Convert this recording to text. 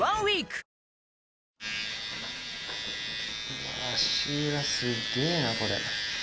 うわ足裏すげぇなこれ。